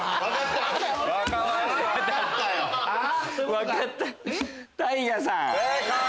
分かった。